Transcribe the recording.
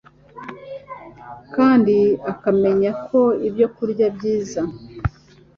kandi akamenya ko ibyokurya byiza